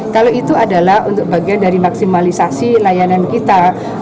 kalau itu adalah bagian dari maksimalisasi layanan kita